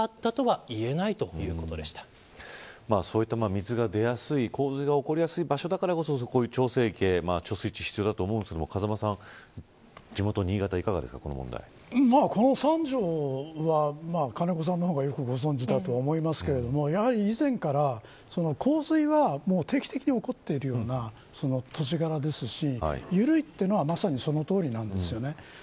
水が出やすい洪水が起こりやすい場所だからこそ調整池が必要だと思うんですが風間さん、地元新潟いか三条市は金子さんの方がご存じだと思いますが、以前から洪水は定期的に起こっているような土地柄ですし緩いというのはまさにそのとおりなんです。